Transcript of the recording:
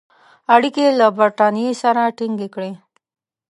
اړیکي له برټانیې سره تینګ کړي.